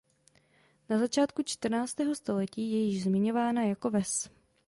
Na začátku čtrnáctého století je již zmiňována jako ves.